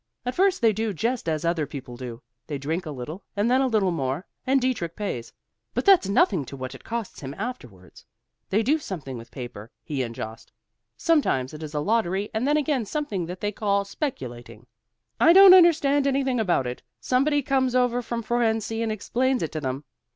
At first they do just as other people do, they drink a little and then a little more, and Dietrich pays. But that's nothing to what it costs him afterwards. They do something with paper, he and Jost. Sometimes it is a lottery and then again something that they call speculating. I don't understand anything about it. Somebody comes over from Fohrensee and explains it to them.